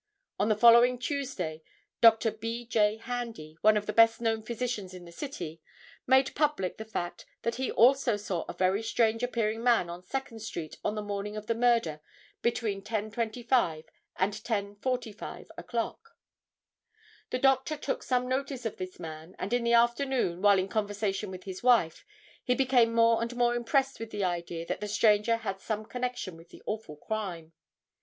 On the following Tuesday, Dr. B. J. Handy, one of the best known physicians in the city, made public the fact that he also saw a very strange appearing man on Second street on the morning of the murder between 10:25 and 10:45 o'clock. The doctor took some notice of this man and in the afternoon while in conversation with his wife he became more and more impressed with the idea that the stranger had some connection with the awful crime.